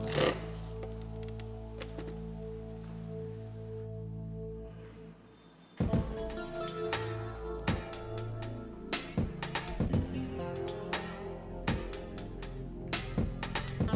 perkiraannya kaya tanpa duit atau patah